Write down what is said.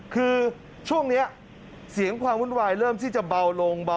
คือช่วงนี้เสียงความวุ่นวายเริ่มที่จะเบาลงเบา